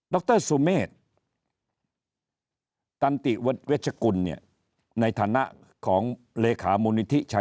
รสุเมษตันติเวชกุลเนี่ยในฐานะของเลขามูลนิธิชัย